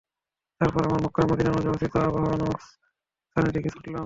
তারপর আমরা মক্কা ও মদীনার মাঝে অবস্থিত আবওয়া নামক স্থানের দিকে ছুটলাম।